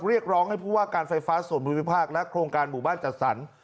เรียกร้องให้ผู้ว่าการไฟฟ้าส่วนภูมิภาคและโครงการหมู่บ้านจัดสรร